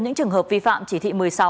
những trường hợp vi phạm chỉ thị một mươi sáu